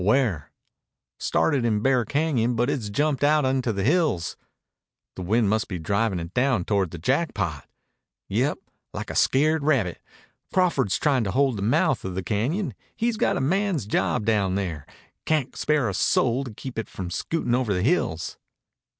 "Where?" "Started in Bear Cañon, but it's jumped out into the hills." "The wind must be driving it down toward the Jackpot!" "Yep. Like a scared rabbit. Crawford's trying to hold the mouth of the cañon. He's got a man's job down there. Can't spare a soul to keep it from scootin' over the hills."